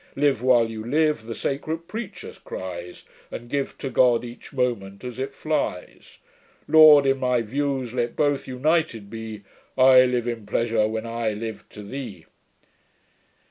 Live, while you live, the sacred PREACHER cries, And give to God each moment as it flies. Lord, in my views let both united be; I live in PLEASURE, when I live to THEE."'